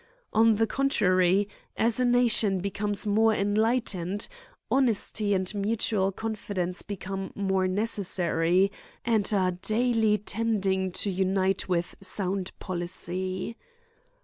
On the contrary, as a nation becomes more enlightened, honesty and mutual confidence be come more necessary, and are daily tending to unite with sound policy.